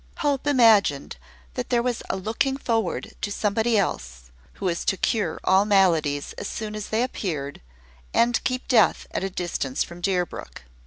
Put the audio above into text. Hope imagined that there was a looking forward to somebody else, who was to cure all maladies as soon as they appeared, and keep death at a distance from Deerbrook.